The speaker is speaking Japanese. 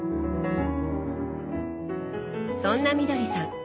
そんなみどりさん